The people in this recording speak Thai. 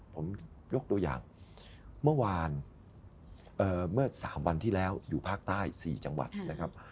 ผมยกตัวอย่างเมื่อวานเมื่อ๓วันที่แล้วอยู่ภาคใต้๔จังหวัดนะครับ